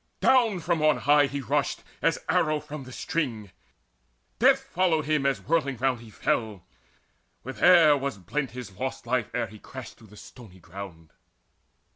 Down from on high he rushed As arrow from the string: death followed him As whirling round he fell; with air was blent His lost life, ere he crashed to the stony ground.